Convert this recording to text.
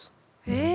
え！